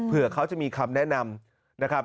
เผื่อเขาจะมีคำแนะนำนะครับ